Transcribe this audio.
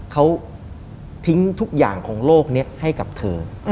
เขาทิ้งทุกอย่างของโลกนี้ให้กับเธอ